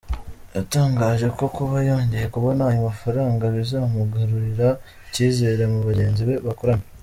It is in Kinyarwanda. Yatangaje ko kuba yongeye kubona ayo mafaranga bizamugarurira icyizere muri bagenzi be bakorana.